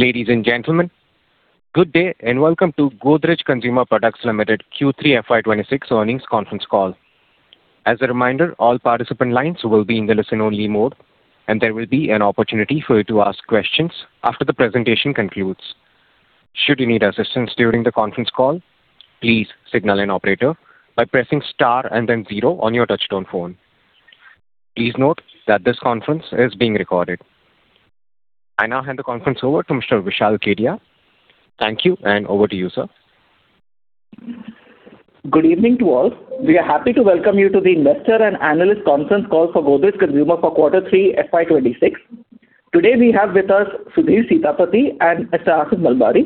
Ladies and gentlemen, good day and welcome to Godrej Consumer Products Limited Q3 FY26 earnings conference call. As a reminder, all participant lines will be in the listen-only mode, and there will be an opportunity for you to ask questions after the presentation concludes. Should you need assistance during the conference call, please signal an operator by pressing star and then zero on your touch-tone phone. Please note that this conference is being recorded. I now hand the conference over to Mr. Vishal Kedia. Thank you, and over to you, sir. Good evening to all. We are happy to welcome you to the Investor and Analyst Conference Call for Godrej Consumer for Quarter Three, FY26. Today, we have with us Sudhir Sitapati and Mr. Aasif Malbari.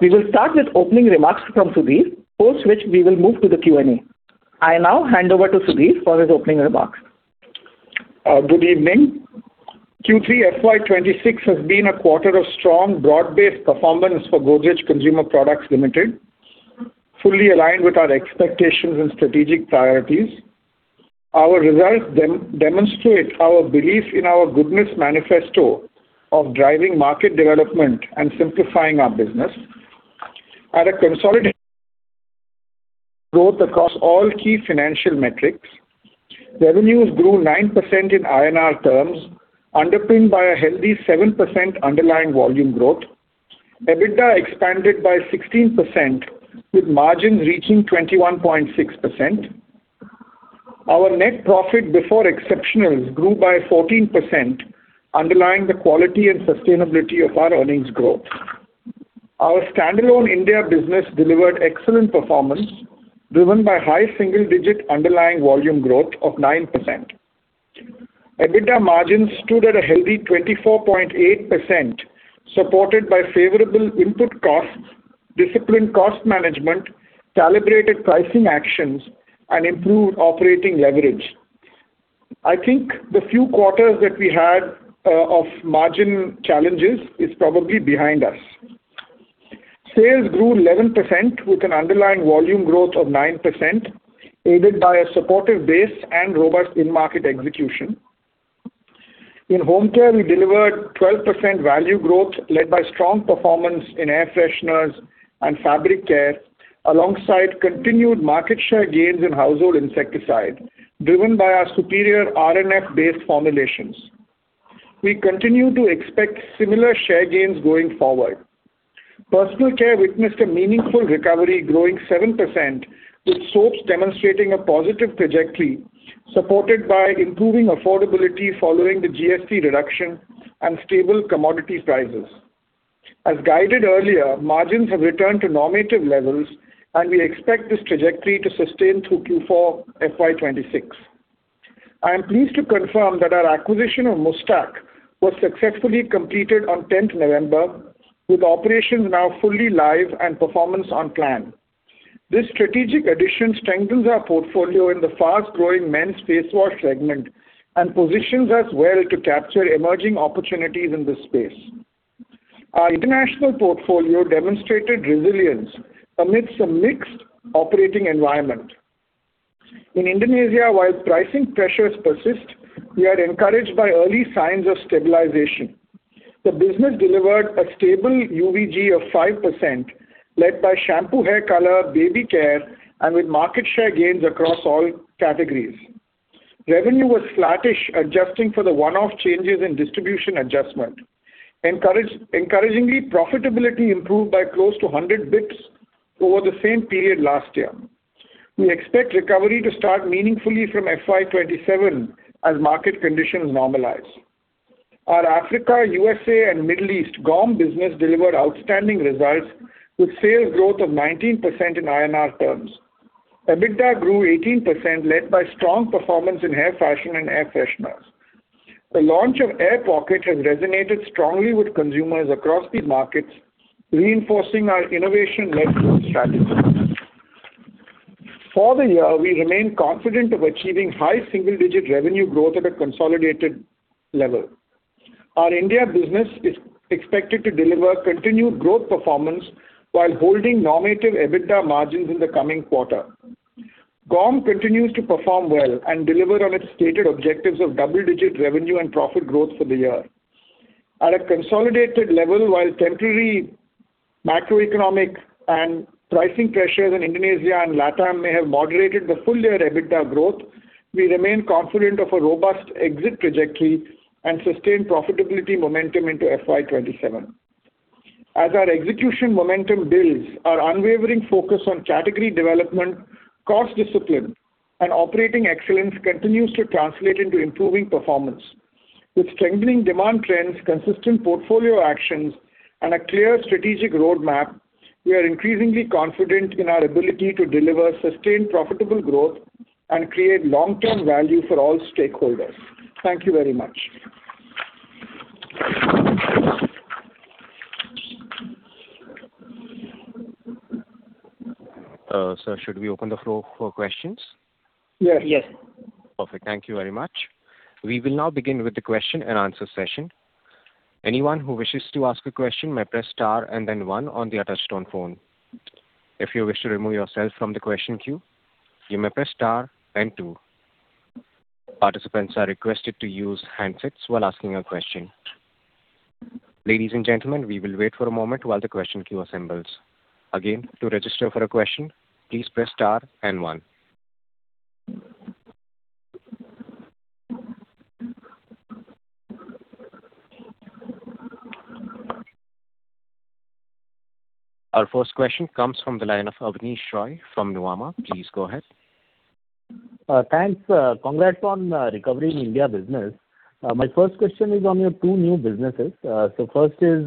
We will start with opening remarks from Sudhir, post which we will move to the Q&A. I now hand over to Sudhir for his opening remarks. Good evening. Q3 FY26 has been a quarter of strong, broad-based performance for Godrej Consumer Products Limited, fully aligned with our expectations and strategic priorities. Our results demonstrate our belief in our goodness manifesto of driving market development and simplifying our business. At a consolidated growth across all key financial metrics, revenues grew 9% in INR terms, underpinned by a healthy 7% underlying volume growth. EBITDA expanded by 16%, with margins reaching 21.6%. Our net profit before exceptionals grew by 14%, underlying the quality and sustainability of our earnings growth. Our standalone India business delivered excellent performance, driven by high single-digit underlying volume growth of 9%. EBITDA margins stood at a healthy 24.8%, supported by favorable input costs, disciplined cost management, calibrated pricing actions, and improved operating leverage. I think the few quarters that we had of margin challenges are probably behind us. Sales grew 11%, with an underlying volume growth of 9%, aided by a supportive base and robust in-market execution. In home care, we delivered 12% value growth, led by strong performance in air fresheners and fabric care, alongside continued market share gains in household insecticide, driven by our superior RNF-based formulations. We continue to expect similar share gains going forward. Personal care witnessed a meaningful recovery, growing 7%, with soaps demonstrating a positive trajectory, supported by improving affordability following the GST reduction and stable commodity prices. As guided earlier, margins have returned to normative levels, and we expect this trajectory to sustain through Q4 FY26. I am pleased to confirm that our acquisition of Muuchstac was successfully completed on 10th November, with operations now fully live and performance on plan. This strategic addition strengthens our portfolio in the fast-growing men's face wash segment and positions us well to capture emerging opportunities in this space. Our international portfolio demonstrated resilience amidst a mixed operating environment. In Indonesia, while pricing pressures persist, we are encouraged by early signs of stabilization. The business delivered a stable UVG of 5%, led by shampoo, hair color, baby care, and with market share gains across all categories. Revenue was flattish, adjusting for the one-off changes in distribution adjustment. Encouragingly, profitability improved by close to 100 basis points over the same period last year. We expect recovery to start meaningfully from FY27 as market conditions normalize. Our Africa, USA, and Middle East GAUM business delivered outstanding results, with sales growth of 19% in INR terms. EBITDA grew 18%, led by strong performance in hair fashion and air fresheners. The launch of Aer Pocket has resonated strongly with consumers across these markets, reinforcing our innovation-led growth strategy. For the year, we remain confident of achieving high single-digit revenue growth at a consolidated level. Our India business is expected to deliver continued growth performance while holding normative EBITDA margins in the coming quarter. GAUM continues to perform well and deliver on its stated objectives of double-digit revenue and profit growth for the year. At a consolidated level, while temporary macroeconomic and pricing pressures in Indonesia and LATAM may have moderated the full-year EBITDA growth, we remain confident of a robust exit trajectory and sustained profitability momentum into FY27. As our execution momentum builds, our unwavering focus on category development, cost discipline, and operating excellence continues to translate into improving performance. With strengthening demand trends, consistent portfolio actions, and a clear strategic roadmap, we are increasingly confident in our ability to deliver sustained profitable growth and create long-term value for all stakeholders. Thank you very much. Sir, should we open the floor for questions? Yes. Yes. Perfect. Thank you very much. We will now begin with the question-and-answer session. Anyone who wishes to ask a question may press star and then one on the touch-tone phone. If you wish to remove yourself from the question queue, you may press star and two. Participants are requested to use handsets while asking a question. Ladies and gentlemen, we will wait for a moment while the question queue assembles. Again, to register for a question, please press star and one. Our first question comes from the line of Abneesh Roy from Nuvama. Please go ahead. Thanks. Congrats on recovery in India business. My first question is on your two new businesses. So first is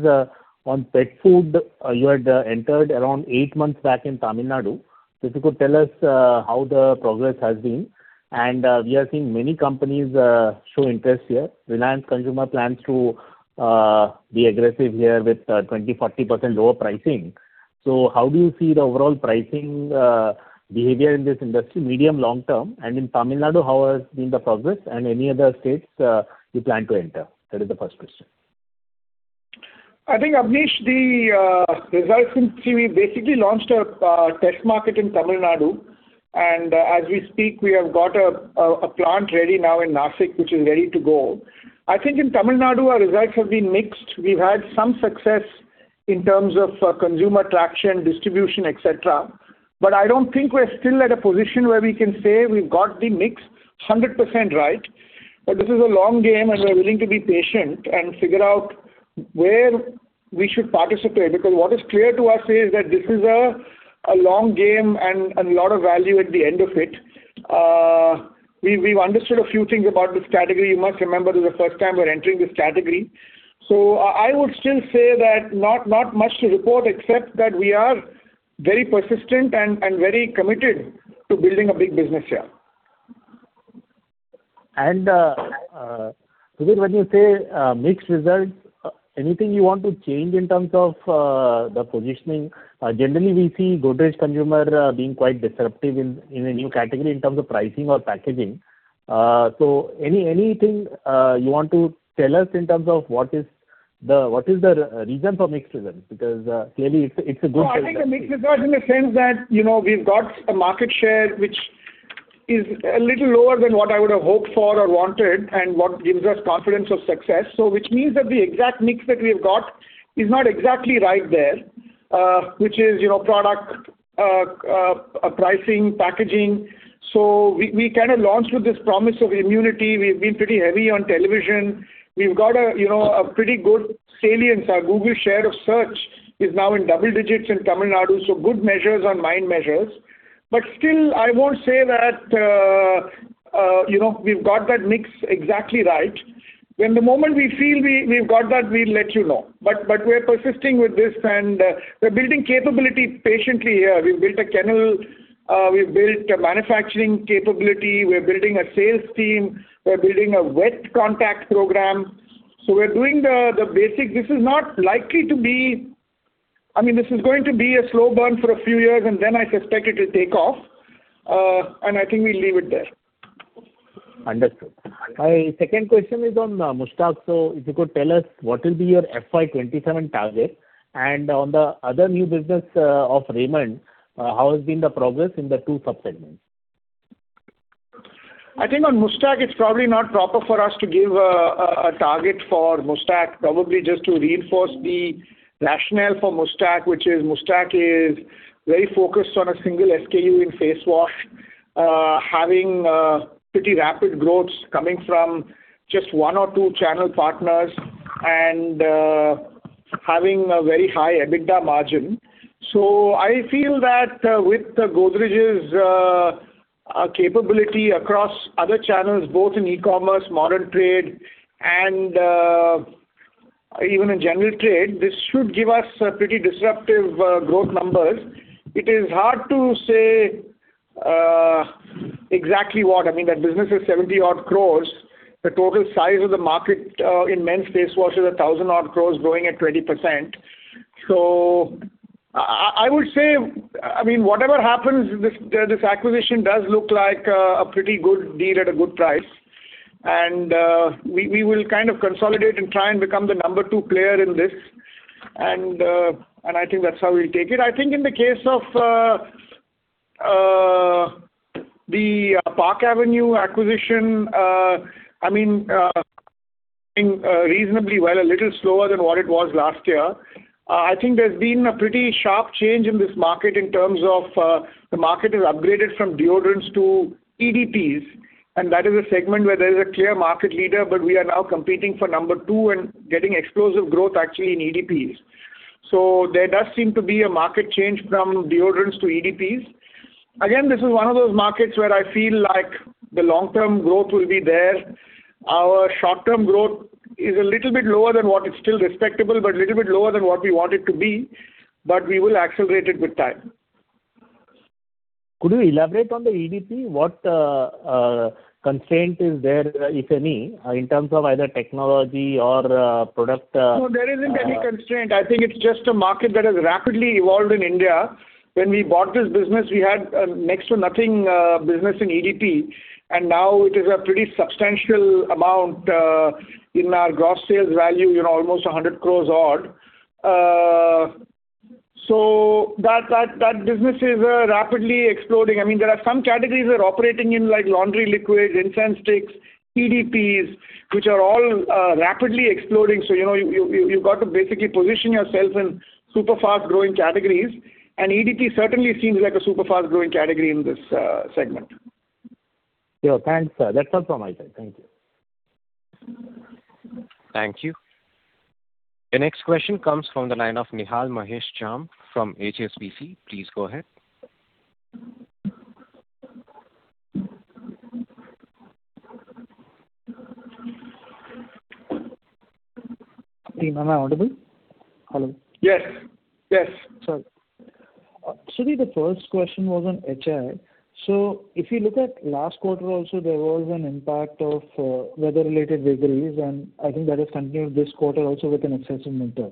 on pet food. You had entered around eight months back in Tamil Nadu. If you could tell us how the progress has been. And we are seeing many companies show interest here. Reliance Consumer plans to be aggressive here with 20%-40% lower pricing. So how do you see the overall pricing behavior in this industry, medium, long term? And in Tamil Nadu, how has been the progress? And any other states you plan to enter? That is the first question. I think, Abneesh, the results since we basically launched a test market in Tamil Nadu. As we speak, we have got a plant ready now in Nashik, which is ready to go. I think in Tamil Nadu, our results have been mixed. We've had some success in terms of consumer traction, distribution, etc. But I don't think we're still at a position where we can say we've got the mix 100% right. But this is a long game, and we're willing to be patient and figure out where we should participate. Because what is clear to us is that this is a long game and a lot of value at the end of it. We've understood a few things about this category. You must remember this is the first time we're entering this category. I would still say that not much to report, except that we are very persistent and very committed to building a big business here. When you say mixed results, anything you want to change in terms of the positioning? Generally, we see Godrej Consumer being quite disruptive in a new category in terms of pricing or packaging. Anything you want to tell us in terms of what is the reason for mixed results? Because clearly, it's a good result. Well, I think the mixed result in the sense that we've got a market share, which is a little lower than what I would have hoped for or wanted, and what gives us confidence of success. So which means that the exact mix that we have got is not exactly right there, which is product pricing, packaging. So we kind of launched with this promise of immunity. We've been pretty heavy on television. We've got a pretty good salience. Our Google share of search is now in double digits in Tamil Nadu. So good measures on my measures. But still, I won't say that we've got that mix exactly right. When the moment we feel we've got that, we'll let you know. But we're persisting with this, and we're building capability patiently here. We've built a kennel. We've built a manufacturing capability. We're building a sales team. We're building a wet contact program. We're doing the basics. This is not likely to be, I mean, this is going to be a slow burn for a few years, and then I suspect it will take off. I think we'll leave it there. Understood. My second question is on Muuchstac. So if you could tell us what will be your FY27 target. And on the other new business of Raymond, how has been the progress in the two subsegments? I think on Muuchstac, it's probably not proper for us to give a target for Muuchstac, probably just to reinforce the rationale for Muuchstac, which is Muuchstac is very focused on a single SKU in face wash, having pretty rapid growth coming from just one or two channel partners, and having a very high EBITDA margin. So I feel that with Godrej's capability across other channels, both in e-commerce, modern trade, and even in general trade, this should give us pretty disruptive growth numbers. It is hard to say exactly what. I mean, that business is 70-odd crore. The total size of the market in men's face wash is 1,000-odd crore, growing at 20%. So I would say, I mean, whatever happens, this acquisition does look like a pretty good deal at a good price. We will kind of consolidate and try and become the number two player in this. I think that's how we'll take it. I think in the case of the Park Avenue acquisition, I mean, reasonably well, a little slower than what it was last year. I think there's been a pretty sharp change in this market in terms of the market has upgraded from deodorants to EDPs. That is a segment where there is a clear market leader, but we are now competing for number two and getting explosive growth actually in EDPs. There does seem to be a market change from deodorants to EDPs. Again, this is one of those markets where I feel like the long-term growth will be there. Our short-term growth is a little bit lower than what it's still respectable, but a little bit lower than what we want it to be. But we will accelerate it with time. Could you elaborate on the EDP? What constraint is there, if any, in terms of either technology or product? No, there isn't any constraint. I think it's just a market that has rapidly evolved in India. When we bought this business, we had next to nothing business in EDP. And now it is a pretty substantial amount in our gross sales value, almost 100 crore odd. So that business is rapidly exploding. I mean, there are some categories that are operating in like laundry liquid, incense sticks, EDPs, which are all rapidly exploding. So you've got to basically position yourself in super fast-growing categories. And EDP certainly seems like a super fast-growing category in this segment. Sure. Thanks, sir. That's all from my side. Thank you. Thank you. The next question comes from the line of Nihal Mahesh Jham from HSBC. Please go ahead. Hey, Mama Audible? Hello? Yes. Yes. Sorry. Actually, the first question was on HI. So if you look at last quarter, also there was an impact of weather-related wiggles, and I think that has continued this quarter also with an excessive winter.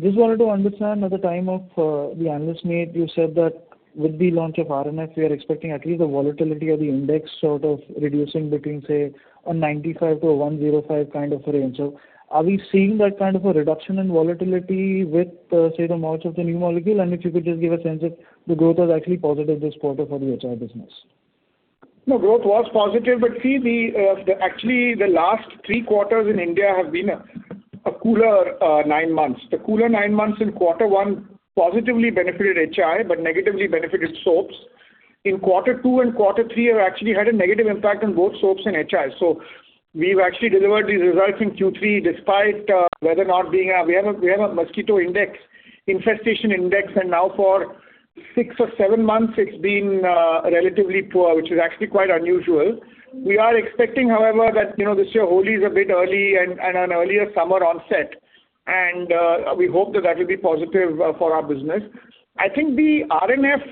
Just wanted to understand at the time of the analyst meet, you said that with the launch of RNF, we are expecting at least the volatility of the index sort of reducing between, say, a 95-105 kind of range. So are we seeing that kind of a reduction in volatility with, say, the march of the new molecule? And if you could just give a sense of the growth; it was actually positive this quarter for the HI business. No, growth was positive. But see, actually, the last three quarters in India have been a cooler nine months. The cooler nine months in quarter one positively benefited HI, but negatively benefited soaps. In quarter two and quarter three have actually had a negative impact on both soaps and HI. So we've actually delivered these results in Q3 despite weather not being a we have a mosquito index, infestation index, and now for six or seven months, it's been relatively poor, which is actually quite unusual. We are expecting, however, that this year's Holi is a bit early and an earlier summer onset. And we hope that that will be positive for our business. I think the RNF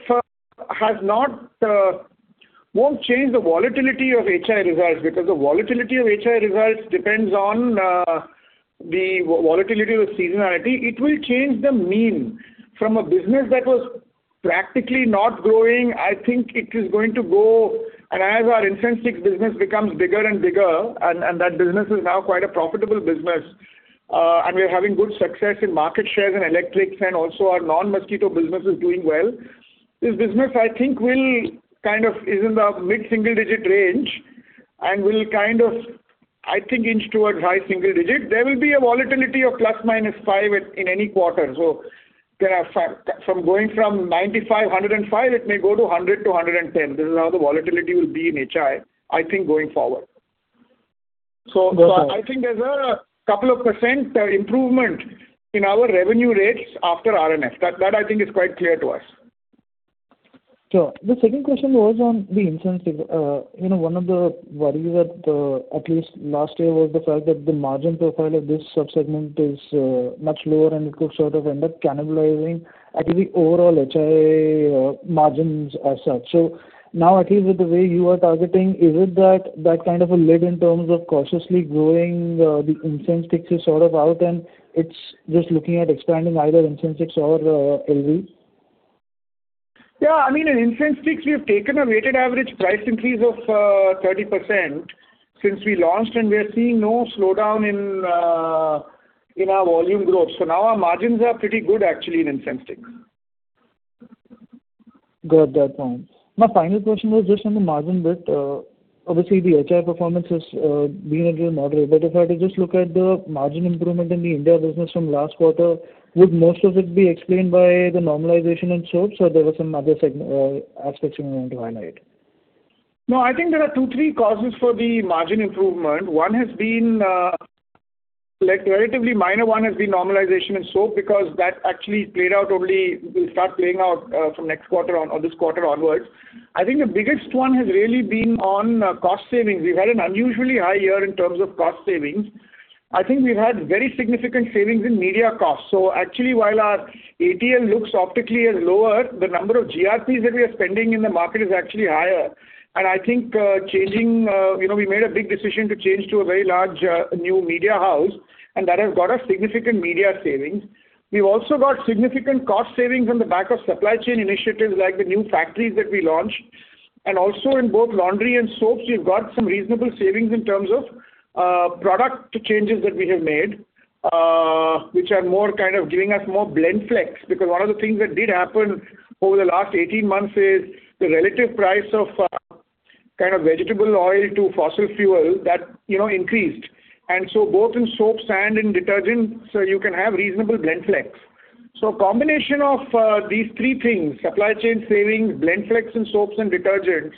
won't change the volatility of HI results because the volatility of HI results depends on the volatility of the seasonality. It will change the mean. From a business that was practically not growing, I think it is going to go. And as our incense stick business becomes bigger and bigger, and that business is now quite a profitable business, and we're having good success in market shares and electrics, and also our non-mosquito business is doing well, this business, I think, will kind of is in the mid-single-digit range and will kind of, I think, inch towards high single digit. There will be a volatility of ±5 in any quarter. So from going from 95-105, it may go to 100-110. This is how the volatility will be in HI, I think, going forward. So I think there's a couple of % improvement in our revenue rates after RNF. That I think is quite clear to us. Sure. The second question was on the incense stick. One of the worries that at least last year was the fact that the margin profile of this subsegment is much lower, and it could sort of end up cannibalizing at the overall HI margins as such. So now, at least with the way you are targeting, is it that kind of a lid in terms of cautiously growing the incense sticks is sort of out, and it's just looking at expanding either incense sticks or LUP? Yeah. I mean, in incense sticks, we've taken a weighted average price increase of 30% since we launched, and we are seeing no slowdown in our volume growth. So now our margins are pretty good, actually, in incense sticks. Got that point. My final question was just on the margin bit. Obviously, the HI performance has been a little moderate. But if I had to just look at the margin improvement in the India business from last quarter, would most of it be explained by the normalization in soaps, or there were some other aspects you want to highlight? No, I think there are two, three causes for the margin improvement. One has been relatively minor. One has been normalization in soap because that actually played out only will start playing out from next quarter or this quarter onwards. I think the biggest one has really been on cost savings. We've had an unusually high year in terms of cost savings. I think we've had very significant savings in media costs. So actually, while our ATL looks optically as lower, the number of GRPs that we are spending in the market is actually higher. And I think changing we made a big decision to change to a very large new media house, and that has got us significant media savings. We've also got significant cost savings on the back of supply chain initiatives like the new factories that we launched. Also in both laundry and soaps, we've got some reasonable savings in terms of product changes that we have made, which are more kind of giving us more blend flex. Because one of the things that did happen over the last 18 months is the relative price of kind of vegetable oil to fossil fuel that increased. And so both in soaps and in detergents, you can have reasonable blend flex. So a combination of these three things: supply chain savings, blend flex in soaps and detergents,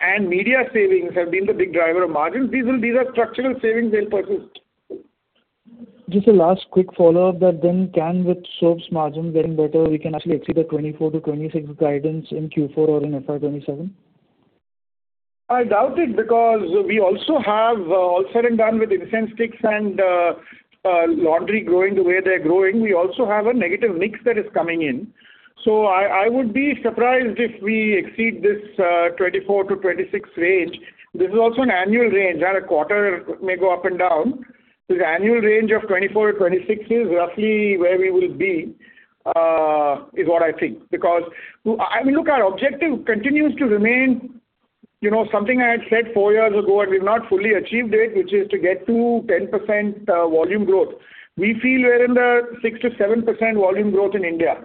and media savings have been the big driver of margins. These are structural savings they'll persist. Just a last quick follow-up that then can with soaps margins getting better, we can actually exceed the 24%-26% guidance in Q4 or in FY 2027? I doubt it because we also have all said and done with incense sticks and laundry growing the way they're growing. We also have a negative mix that is coming in. So I would be surprised if we exceed this 24%-26% range. This is also an annual range. I had a quarter may go up and down. This annual range of 24%-26% is roughly where we will be is what I think. Because I mean, look, our objective continues to remain something I had said four years ago, and we've not fully achieved it, which is to get to 10% volume growth. We feel we're in the 6%-7% volume growth in India.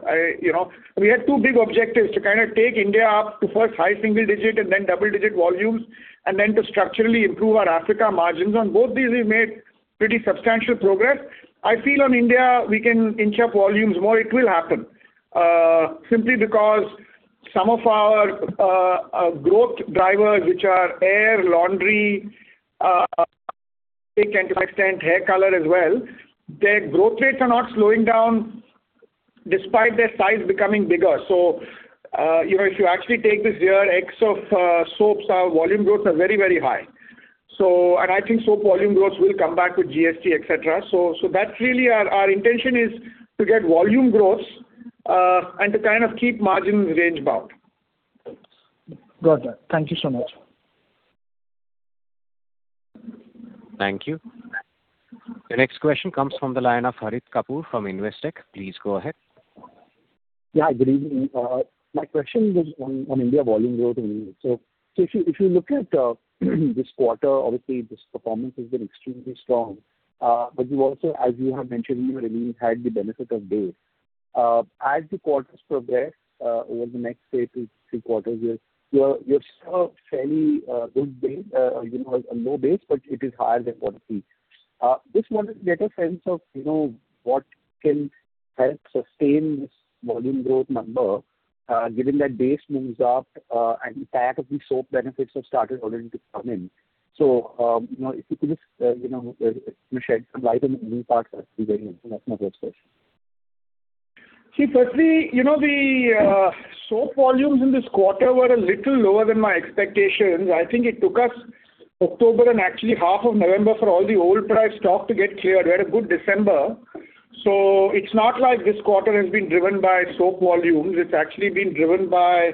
We had two big objectives: to kind of take India up to first high single digit and then double digit volumes, and then to structurally improve our Africa margins. On both these, we've made pretty substantial progress. I feel on India, we can inch up volumes more. It will happen simply because some of our growth drivers, which are air, laundry, to an extent hair color as well, their growth rates are not slowing down despite their size becoming bigger. So if you actually take this year, ex of soaps, our volume growths are very, very high. And I think soap volume growths will come back with GST, etc. So that's really our intention is to get volume growths and to kind of keep margins range bound. Got that. Thank you so much. Thank you. The next question comes from the line of Harit Kapoor from Investec. Please go ahead. Yeah, good evening. My question was on India volume growth. So if you look at this quarter, obviously, this performance has been extremely strong. But you also, as you have mentioned, you have had the benefit of days. As the quarters progress over the next three quarters, you have saw fairly good base, a low base, but it is higher than what it is. Just wanted to get a sense of what can help sustain this volume growth number given that base moves up and the pack of the soap benefits have started already to come in. So if you could just shed some light on the new parts, that would be very helpful. That's my first question. See, firstly, the soap volumes in this quarter were a little lower than my expectations. I think it took us October and actually half of November for all the old price stock to get cleared. We had a good December. So it's not like this quarter has been driven by soap volumes. It's actually been driven by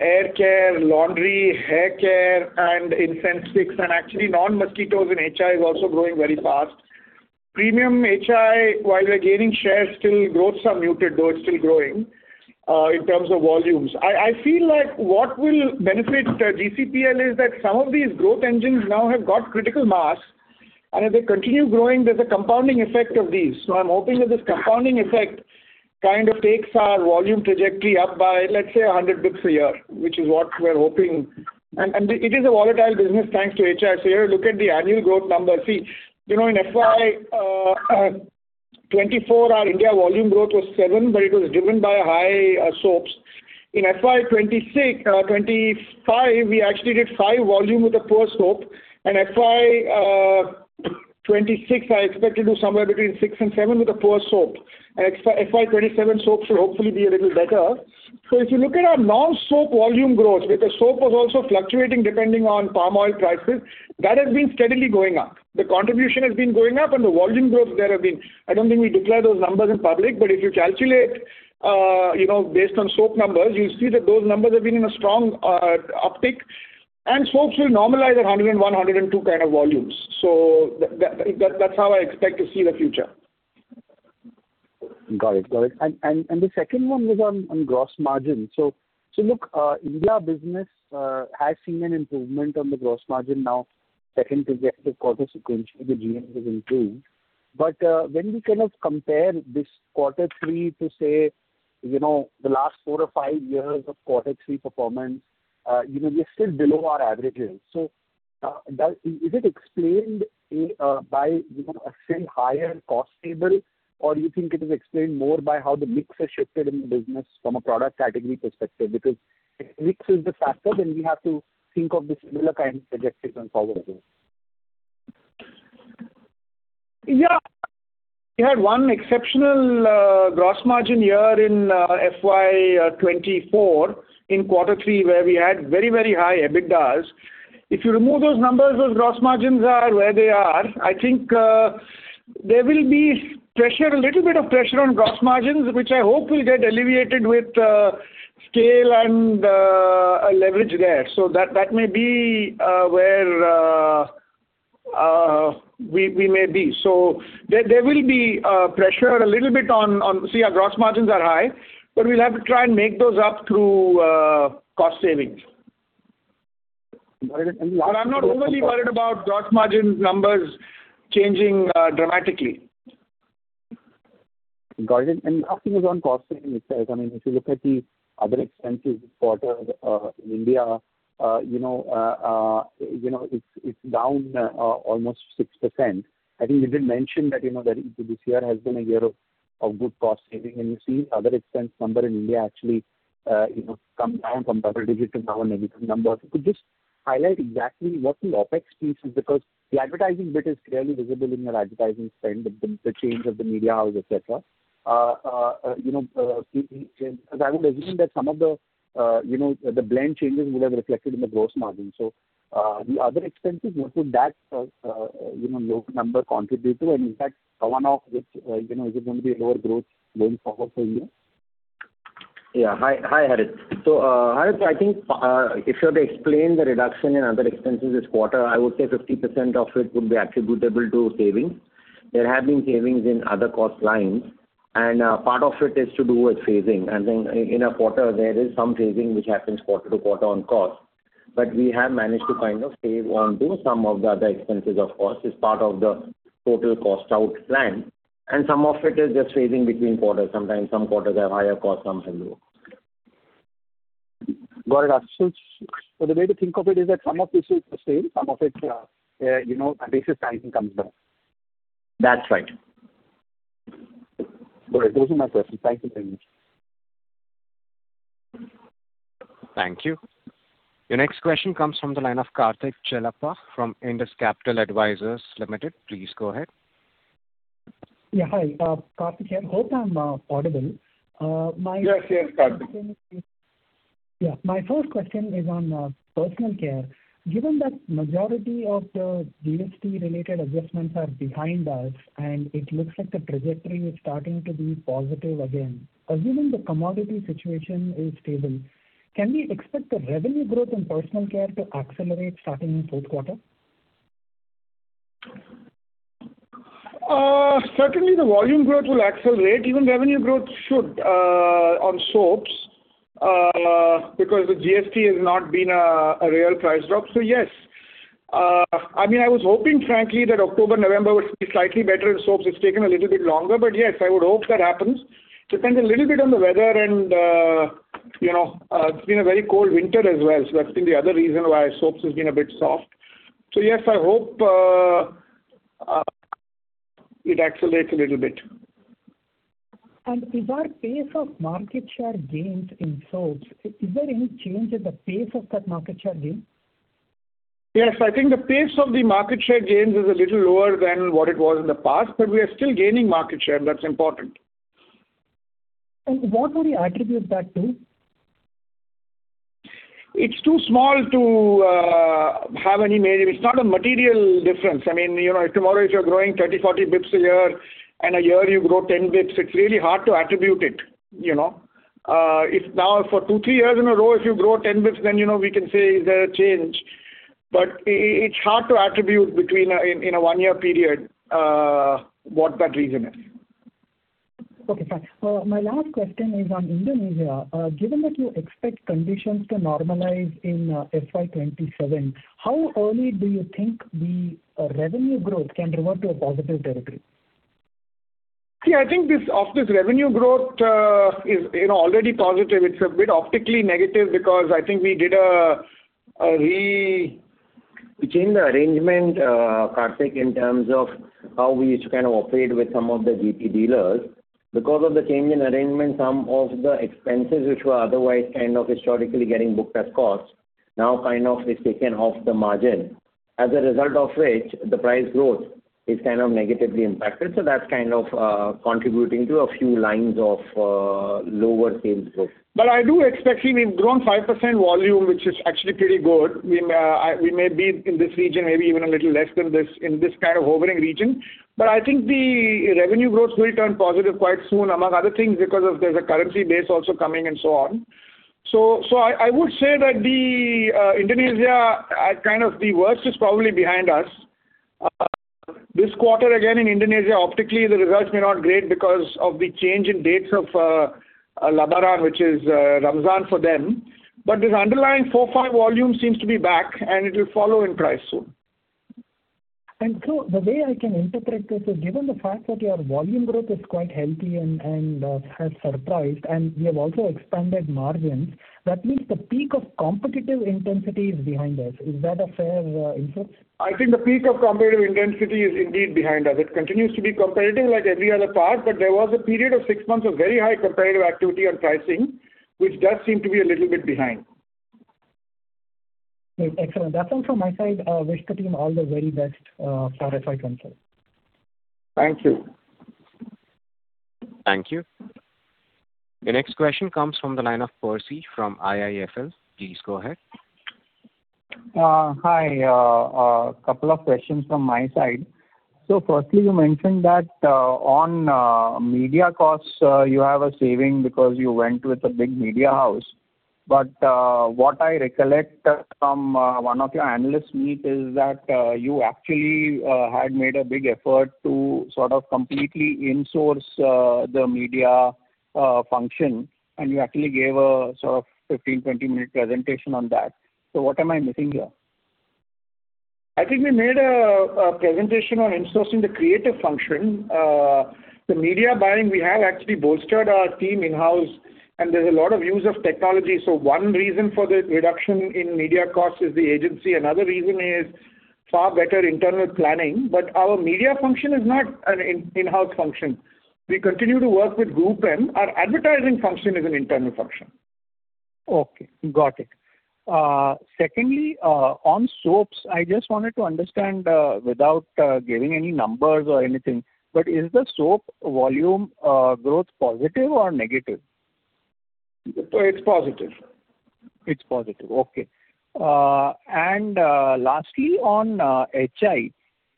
hair care, laundry, hair care, and incense sticks. And actually, non-mosquitoes in HR is also growing very fast. Premium HR, while we're gaining shares, still growths are muted, though it's still growing in terms of volumes. I feel like what will benefit GCPL is that some of these growth engines now have got critical mass. And as they continue growing, there's a compounding effect of these. So I'm hoping that this compounding effect kind of takes our volume trajectory up by, let's say, 100 basis points a year, which is what we're hoping. It is a volatile business thanks to HI. So you have to look at the annual growth numbers. See, in FY 2024, our India volume growth was 7, but it was driven by high soaps. In FY 2025, we actually did 5 volume with a poor soap. And FY 2026, I expect to do somewhere between 6 and 7 with a poor soap. And FY 2027, soaps will hopefully be a little better. So if you look at our non-soap volume growth, because soap was also fluctuating depending on palm oil prices, that has been steadily going up. The contribution has been going up, and the volume growth there have been. I don't think we declare those numbers in public, but if you calculate based on soap numbers, you'll see that those numbers have been in a strong uptick. And soaps will normalize at 101, 102 kind of volumes. That's how I expect to see the future. Got it. Got it. And the second one was on gross margin. So look, India business has seen an improvement on the gross margin now, second to the previous quarter sequentially, which has improved. But when we kind of compare this quarter three to, say, the last four or five years of quarter three performance, we are still below our averages. So is it explained by a still higher cost base, or do you think it is explained more by how the mix has shifted in the business from a product category perspective? Because if mix is the factor, then we have to think of the similar kind of trajectory going forward. Yeah. We had one exceptional gross margin year in FY 2024 in quarter three, where we had very, very high EBITDAs. If you remove those numbers, those gross margins are where they are. I think there will be pressure, a little bit of pressure on gross margins, which I hope will get alleviated with scale and leverage there. So that may be where we may be. So there will be pressure a little bit on, see, our gross margins are high, but we'll have to try and make those up through cost savings. But I'm not overly worried about gross margin numbers changing dramatically. Got it. And last thing was on cost saving itself. I mean, if you look at the other expenses this quarter in India, it's down almost 6%. I think you did mention that this year has been a year of good cost saving. And you see the other expense number in India actually come down from double digit to now a negative number. If you could just highlight exactly what the OpEx piece is, because the advertising bit is clearly visible in your advertising spend, the change of the media house, etc. I would assume that some of the blend changes would have reflected in the gross margin. So the other expenses, what would that number contribute to? And in fact, one of which, is it going to be a lower growth going forward for India? Yeah. Hi, Harit. So Harit, I think if you had to explain the reduction in other expenses this quarter, I would say 50% of it would be attributable to savings. There have been savings in other cost lines. And part of it is to do with phasing. I think in a quarter, there is some phasing which happens quarter to quarter on cost. But we have managed to kind of save onto some of the other expenses, of course, as part of the total cost out plan. And some of it is just phasing between quarters. Sometimes some quarters have higher costs, some have lower. Got it. So the way to think of it is that some of this is the same, some of it, basically something comes back. That's right. Got it. Those are my questions. Thank you very much. Thank you. Your next question comes from the line of Karthik Chellappa from Indus Capital. Please go ahead. Yeah, hi. Karthik, I hope I'm audible. Yes, yes, Karthik. Yeah. My first question is on personal care. Given that majority of the GST-related adjustments are behind us, and it looks like the trajectory is starting to be positive again, assuming the commodity situation is stable, can we expect the revenue growth in personal care to accelerate starting in fourth quarter? Certainly, the volume growth will accelerate. Even revenue growth should on soaps because the GST has not been a real price drop. So yes. I mean, I was hoping, frankly, that October, November would be slightly better in soaps. It's taken a little bit longer. But yes, I would hope that happens. Depends a little bit on the weather, and it's been a very cold winter as well. So that's been the other reason why soaps has been a bit soft. So yes, I hope it accelerates a little bit. Is there a pace of market share gains in soaps? Is there any change in the pace of that market share gain? Yes. I think the pace of the market share gains is a little lower than what it was in the past, but we are still gaining market share, and that's important. What would you attribute that to? It's too small to have any measure. It's not a material difference. I mean, tomorrow, if you're growing 30, 40 bips a year, and a year you grow 10 bips, it's really hard to attribute it. If now for two, three years in a row, if you grow 10 bips, then we can say, "Is there a change?" But it's hard to attribute in a one-year period what that reason is. Okay. Fine. My last question is on Indonesia. Given that you expect conditions to normalize in FY 2027, how early do you think the revenue growth can revert to a positive territory? See, I think of this revenue growth is already positive. It's a bit optically negative because I think we did a re. We changed the arrangement, Karthik, in terms of how we used to kind of operate with some of the GT dealers. Because of the change in arrangement, some of the expenses which were otherwise kind of historically getting booked as cost now kind of is taken off the margin, as a result of which the price growth is kind of negatively impacted. So that's kind of contributing to a few lines of lower sales growth. But I do expect we've grown 5% volume, which is actually pretty good. We may be in this region, maybe even a little less than this in this kind of hovering region. But I think the revenue growth will turn positive quite soon, among other things, because there's a currency base also coming and so on. So I would say that Indonesia, kind of the worst is probably behind us. This quarter, again, in Indonesia, optically, the results may not be great because of the change in dates of Lebaran, which is Ramadan for them. But this underlying 4-5 volume seems to be back, and it will follow in price soon. So the way I can interpret this, given the fact that your volume growth is quite healthy and has surprised, and you have also expanded margins, that means the peak of competitive intensity is behind us. Is that a fair inference? I think the peak of competitive intensity is indeed behind us. It continues to be competitive like every other part, but there was a period of six months of very high competitive activity on pricing, which does seem to be a little bit behind. Excellent. That's all from my side. Wish the team all the very best for FY 2027. Thank you. Thank you. The next question comes from the line of Percy from IIFL. Please go ahead. Hi. A couple of questions from my side. So firstly, you mentioned that on media costs, you have a saving because you went with a big media house. But what I recollect from one of your analysts' meetings is that you actually had made a big effort to sort of completely insource the media function, and you actually gave a sort of 15-20-minute presentation on that. So what am I missing here? I think we made a presentation on insourcing the creative function. The media buying, we have actually bolstered our team in-house, and there's a lot of use of technology. So one reason for the reduction in media costs is the agency. Another reason is far better internal planning. But our media function is not an in-house function. We continue to work with Group M. Our advertising function is an internal function. Okay. Got it. Secondly, on soaps, I just wanted to understand without giving any numbers or anything, but is the soap volume growth positive or negative? It's positive. It's positive. Okay. Lastly, on HI,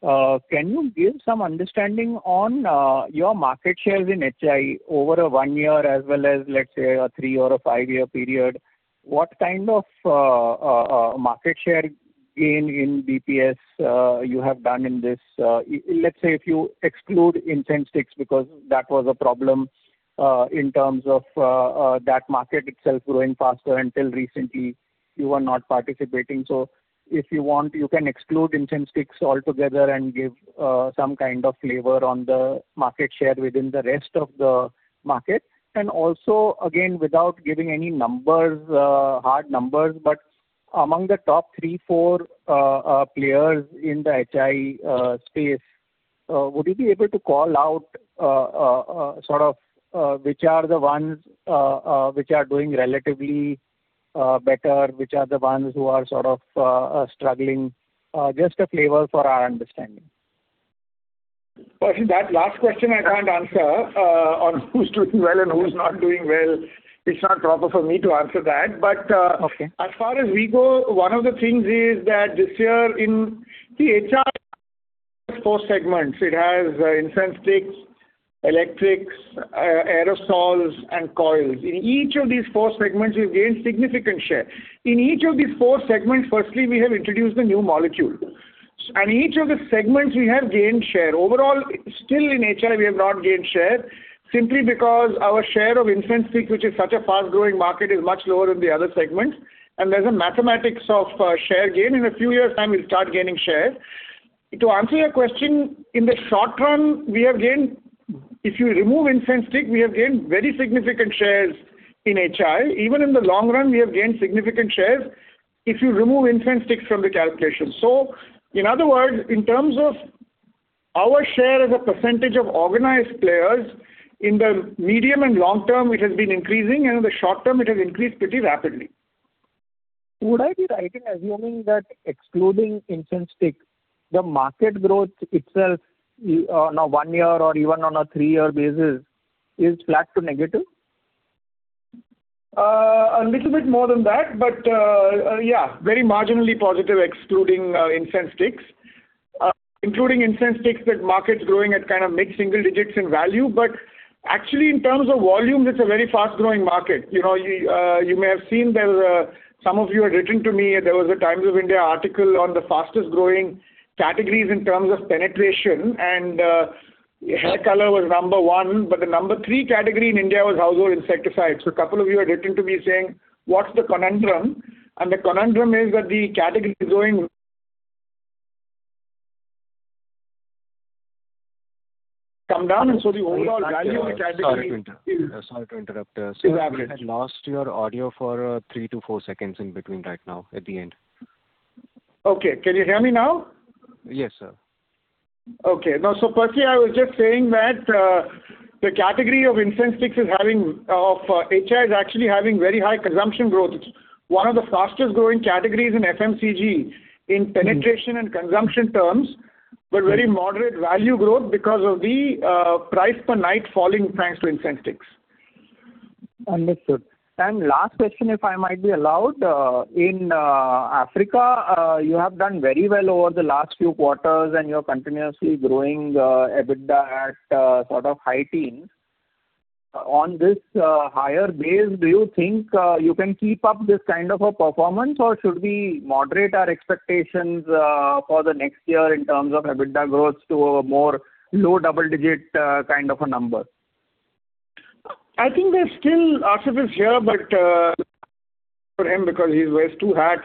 can you give some understanding on your market shares in HI over a 1-year as well as, let's say, a 3- or 5-year period? What kind of market share gain in BPS you have done in this? Let's say if you exclude incense sticks because that was a problem in terms of that market itself growing faster until recently you were not participating. So if you want, you can exclude incense sticks altogether and give some kind of flavor on the market share within the rest of the market. Also, again, without giving any numbers, hard numbers, but among the top 3, 4 players in the HI space, would you be able to call out sort of which are the ones which are doing relatively better, which are the ones who are sort of struggling? Just a flavor for our understanding. Well, I think that last question I can't answer on who's doing well and who's not doing well. It's not proper for me to answer that. But as far as we go, one of the things is that this year in the HI has four segments. It has incense sticks, electrics, aerosols, and coils. In each of these four segments, we've gained significant share. In each of these four segments, firstly, we have introduced a new molecule. And in each of the segments, we have gained share. Overall, still in HI, we have not gained share simply because our share of incense sticks, which is such a fast-growing market, is much lower than the other segments. And there's a mathematics of share gain. In a few years' time, we'll start gaining share. To answer your question, in the short run, we have gained if you remove incense sticks, we have gained very significant shares in HI. Even in the long run, we have gained significant shares if you remove incense sticks from the calculation. So in other words, in terms of our share as a percentage of organized players, in the medium and long term, it has been increasing. In the short term, it has increased pretty rapidly. Would I be right in assuming that excluding incense sticks, the market growth itself on a one-year or even on a three-year basis is flat to negative? A little bit more than that, but yeah, very marginally positive excluding incense sticks. Including incense sticks, that market's growing at kind of mid-single digits in value. But actually, in terms of volumes, it's a very fast-growing market. You may have seen. There's some of you had written to me. There was a Times of India article on the fastest-growing categories in terms of penetration. And hair color was number one, but the number three category in India was household insecticides. So a couple of you had written to me saying, "What's the conundrum?" And the conundrum is that the category is going come down. And so the overall value of the category. Sorry to interrupt. Is average. You had lost your audio for 3-4 seconds in between right now at the end. Okay. Can you hear me now? Yes, sir. Okay. No, so Percy, I was just saying that the category of incense sticks is having of HI is actually having very high consumption growth. It's one of the fastest-growing categories in FMCG in penetration and consumption terms, but very moderate value growth because of the price per night falling thanks to incense sticks. Understood. And last question, if I might be allowed. In Africa, you have done very well over the last few quarters, and you're continuously growing EBITDA at sort of high teens. On this higher base, do you think you can keep up this kind of a performance, or should we moderate our expectations for the next year in terms of EBITDA growth to a more low double-digit kind of a number? I think we're still as if it's here, but for him because he wears two hats.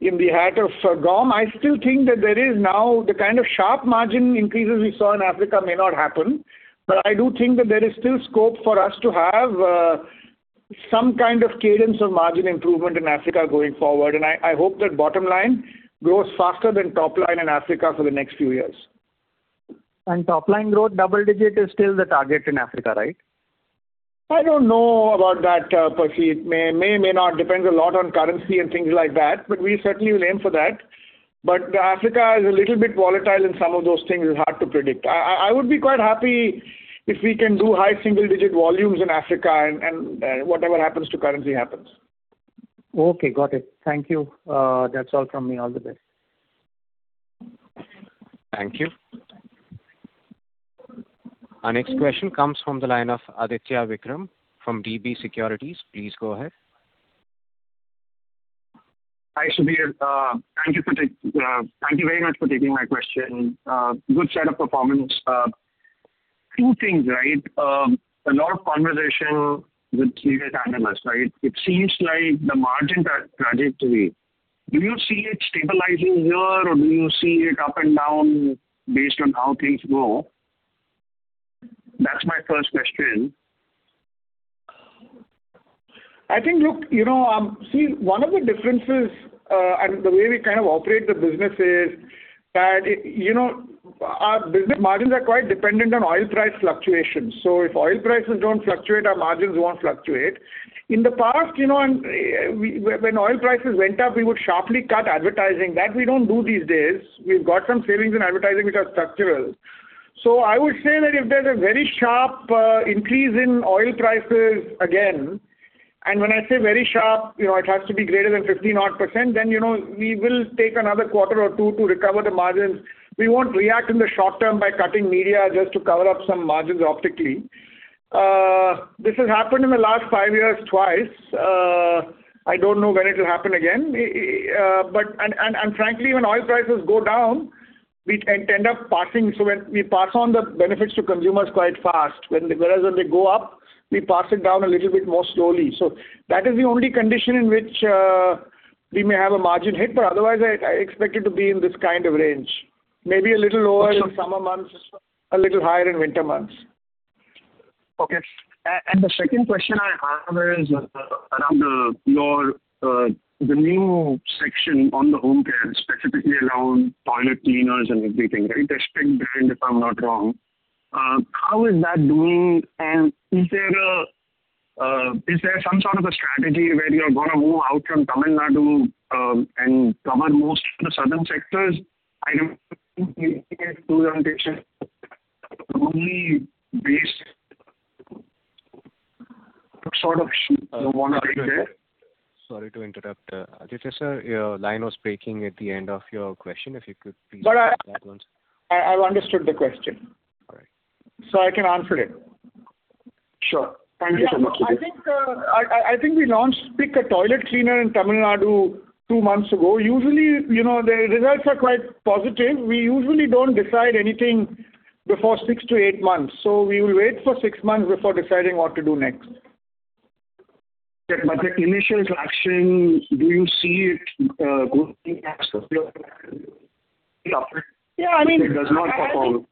In the hat of GAUM, I still think that there is now the kind of sharp margin increases we saw in Africa may not happen. But I do think that there is still scope for us to have some kind of cadence of margin improvement in Africa going forward. I hope that bottom line grows faster than top line in Africa for the next few years. Top line growth, double-digit is still the target in Africa, right? I don't know about that, Percy. It may or may not. Depends a lot on currency and things like that, but we certainly will aim for that. But Africa is a little bit volatile, and some of those things are hard to predict. I would be quite happy if we can do high single-digit volumes in Africa, and whatever happens to currency happens. Okay. Got it. Thank you. That's all from me. All the best. Thank you. Our next question comes from the line of Aditya Vikram from DB Securities. Please go ahead. Hi, Shabir. Thank you very much for taking my question. Good set of performance. Two things, right? A lot of conversation with previous analysts, right? It seems like the margin trajectory, do you see it stabilizing here, or do you see it up and down based on how things go? That's my first question. I think, look, see, one of the differences and the way we kind of operate the business is that our business margins are quite dependent on oil price fluctuations. So if oil prices don't fluctuate, our margins won't fluctuate. In the past, when oil prices went up, we would sharply cut advertising. That we don't do these days. We've got some savings in advertising, which are structural. So I would say that if there's a very sharp increase in oil prices again, and when I say very sharp, it has to be greater than 15-odd%, then we will take another quarter or two to recover the margins. We won't react in the short term by cutting media just to cover up some margins optically. This has happened in the last five years twice. I don't know when it will happen again. Frankly, when oil prices go down, we tend to pass on the benefits to consumers quite fast. Whereas when they go up, we pass it down a little bit more slowly. That is the only condition in which we may have a margin hit. Otherwise, I expect it to be in this kind of range. Maybe a little lower in summer months, a little higher in winter months. Okay. And the second question I have is around the new section on the home care, specifically around toilet cleaners and everything, right? Aesthetic brand, if I'm not wrong. How is that doing? And is there some sort of a strategy where you're going to move out from Tamil Nadu and cover most of the southern sectors? I don't think you need to do an additional only based sort of. Don't want to take there. Sorry to interrupt. Aditya sir, your line was breaking at the end of your question. If you could please answer that once. I've understood the question. All right. I can answer it. Sure. Thank you so much. I think we launched Spic, a toilet cleaner, in Tamil Nadu two months ago. Usually, the results are quite positive. We usually don't decide anything before six to eight months. We will wait for six months before deciding what to do next. But the initial selection, do you see it going back to your? Yeah. I mean. If it does not perform?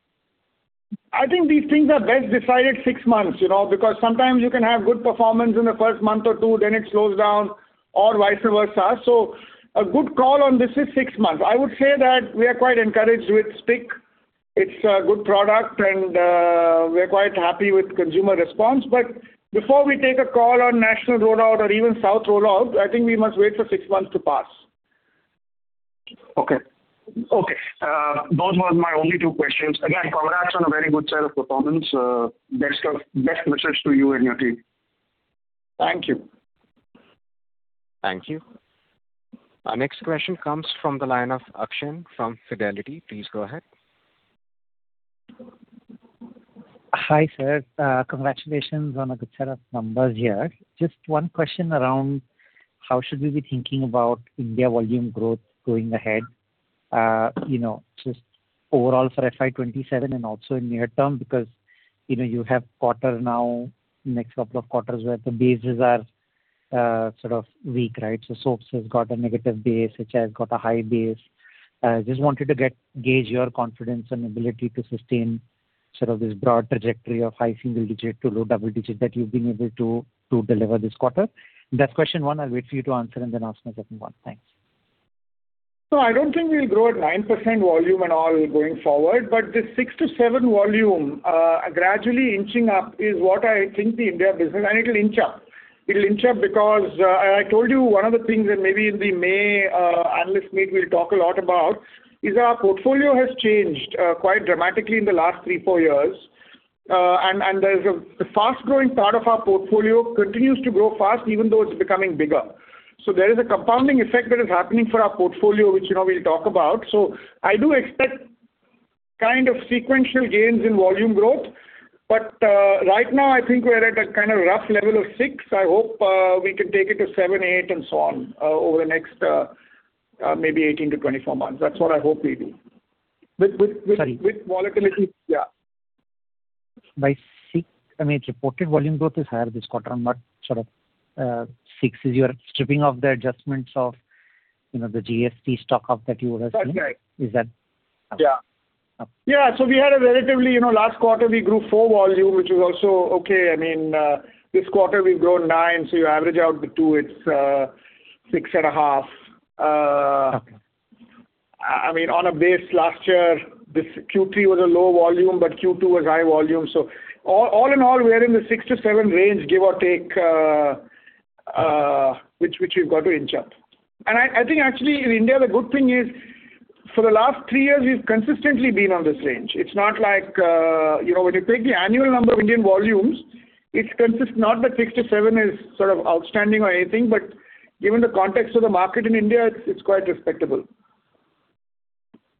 I think these things are best decided six months because sometimes you can have good performance in the first month or two, then it slows down or vice versa. So a good call on this is six months. I would say that we are quite encouraged with Spic. It's a good product, and we're quite happy with consumer response. But before we take a call on national rollout or even South rollout, I think we must wait for six months to pass. Okay. Okay. Those were my only two questions. Again, congrats on a very good set of performance. Best wishes to you and your team. Thank you. Thank you. Our next question comes from the line of Akshan from Fidelity. Please go ahead. Hi, sir. Congratulations on a good set of numbers here. Just one question around how should we be thinking about India volume growth going ahead? Just overall for FY 2027 and also in near term because you have quarter now, next couple of quarters where the bases are sort of weak, right? So soaps has got a negative base. HI has got a high base. I just wanted to gauge your confidence and ability to sustain sort of this broad trajectory of high single-digit to low double-digit that you've been able to deliver this quarter. That's question one. I'll wait for you to answer and then ask my second one. Thanks. So I don't think we'll grow at 9% volume and all going forward, but the 6-7 volume gradually inching up is what I think the India business and it'll inch up. It'll inch up because I told you one of the things that maybe in the May analyst meet we'll talk a lot about is our portfolio has changed quite dramatically in the last 3, 4 years. And the fast-growing part of our portfolio continues to grow fast even though it's becoming bigger. So there is a compounding effect that is happening for our portfolio, which we'll talk about. So I do expect kind of sequential gains in volume growth. But right now, I think we're at a kind of rough level of 6. I hope we can take it to 7, 8, and so on over the next maybe 18-24 months. That's what I hope we do. Sorry. With volatility, yeah. By UVG, I mean, it's reported volume growth is higher this quarter, but sort of UVG is you're stripping off the adjustments of the GST stock up that you were saying. Is that? Yeah. Yeah. So we had a relatively last quarter, we grew 4 volume, which was also okay. I mean, this quarter, we've grown 9. So you average out the two, it's 6.5. I mean, on a base, last year, this Q3 was a low volume, but Q2 was high volume. So all in all, we're in the 6-7 range, give or take, which we've got to inch up. And I think actually in India, the good thing is for the last three years, we've consistently been on this range. It's not like when you take the annual number of Indian volumes, it's consistent. Not that 6-7 is sort of outstanding or anything, but given the context of the market in India, it's quite respectable.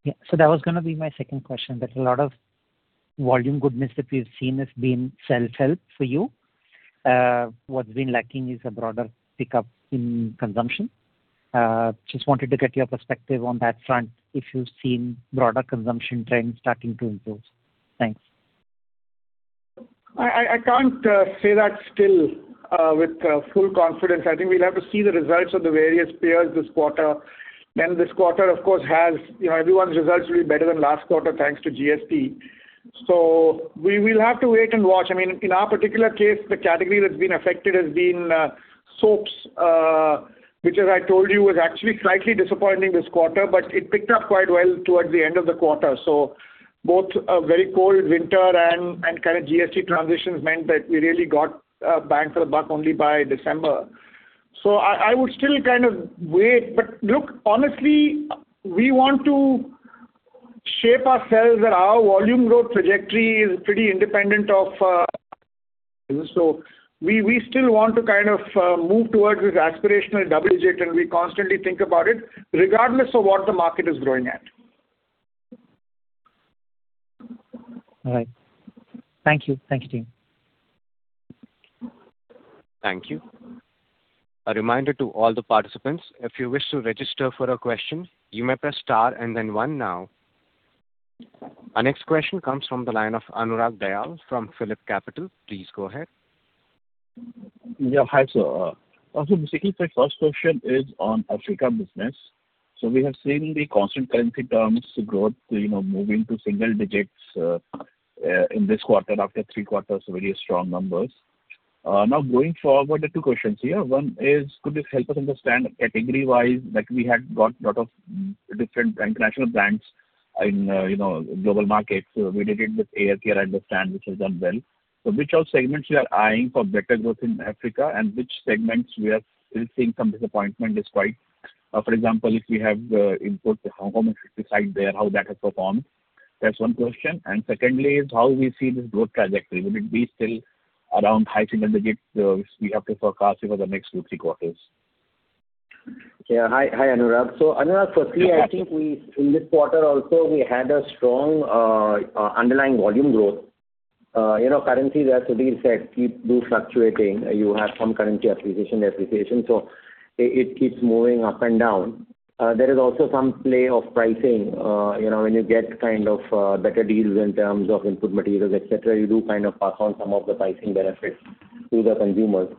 Yeah. So that was going to be my second question. But a lot of volume goodness that we've seen has been self-help for you. What's been lacking is a broader pickup in consumption. Just wanted to get your perspective on that front if you've seen broader consumption trends starting to improve. Thanks. I can't say that still with full confidence. I think we'll have to see the results of the various peers this quarter. Then this quarter, of course, has everyone's results will be better than last quarter thanks to GST. So we will have to wait and watch. I mean, in our particular case, the category that's been affected has been soaps, which, as I told you, was actually slightly disappointing this quarter, but it picked up quite well towards the end of the quarter. So both a very cold winter and kind of GST transitions meant that we really got bang for the buck only by December. So I would still kind of wait. But look, honestly, we want to shape ourselves that our volume growth trajectory is pretty independent of. We still want to kind of move towards this aspirational double-digit, and we constantly think about it regardless of what the market is growing at. All right. Thank you. Thank you, team. Thank you. A reminder to all the participants, if you wish to register for a question, you may press star and then one now. Our next question comes from the line of Anurag Dayal from PhillipCapital. Please go ahead. Yeah. Hi, sir. So basically, my first question is on Africa business. So we have seen the constant currency terms growth moving to single digits in this quarter after 3 quarters, very strong numbers. Now, going forward, I have two questions here. One is, could you help us understand category-wise that we had got a lot of different international brands in global markets? So we did it with ASI, I understand, which has done well. So which are segments we are eyeing for better growth in Africa, and which segments we are still seeing some disappointment despite? For example, if we have input, how much we decide there, how that has performed? That's one question. And secondly is how we see this growth trajectory. Will it be still around high single digits we have to forecast over the next 2-3 quarters? Yeah. Hi, Anurag. So Anurag, for me, I think in this quarter also, we had a strong underlying volume growth. Currencies, as Aasif said, do fluctuate. You have some currency appreciation, depreciation. So it keeps moving up and down. There is also some play of pricing. When you get kind of better deals in terms of input materials, etc., you do kind of pass on some of the pricing benefits to the consumers.